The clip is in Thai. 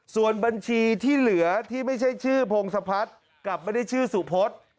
ส่วนบัญชีที่เหลือที่ไม่ใช่ชื่อพงศพัฒน์กับไม่ได้ชื่อสุพศ